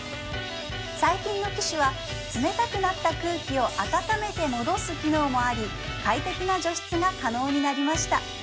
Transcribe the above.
最近の機種は冷たくなった空気を温めて戻す機能もあり快適な除湿が可能になりました